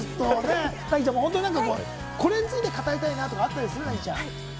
凪ちゃん、本当にこれについて語りたいなとかあったりする？